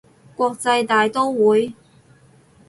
國際大刀會